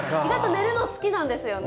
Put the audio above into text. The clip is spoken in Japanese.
寝るの好きなんですよね。